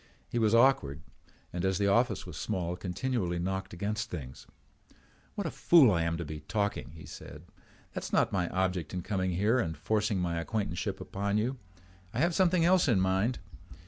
He was awkward and, as the office was small, continually knocked against things. "What a fool I am to be talking," he said. "That is not my object in coming here and forcing my acquaintanceship upon you. I have something else in mind.